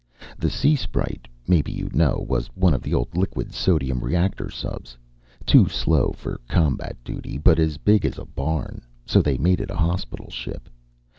The Sea Sprite, maybe you know, was one of the old liquid sodium reactor subs too slow for combat duty, but as big as a barn, so they made it a hospital ship.